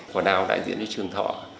quả đao đại diện cho trường thọ